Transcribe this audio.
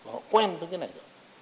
họ quen với cái này rồi